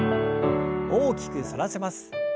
大きく反らせます。